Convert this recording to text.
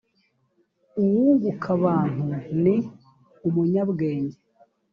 uwunguka abantu ni umunyabwenge